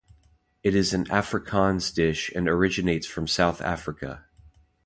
It is an Afrikaans dish and originates from South Africa.